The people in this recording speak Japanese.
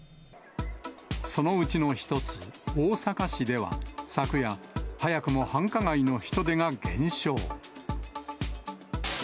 そのうちの一つ、大阪市では昨夜、早くも繁華街の人出が減少。